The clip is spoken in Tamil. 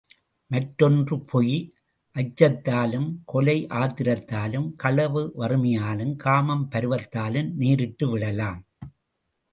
மற்றொன்று பொய் அச்சத்தாலும், கொலை ஆத்திரத்தாலும், களவு வறுமையாலும், காமம் பருவத்தாலும் நேரிட்டு விடலாம்.